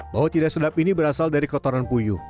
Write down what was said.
bau tidak sedap ini berasal dari kotoran puyuh